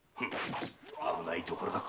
危ないところだった。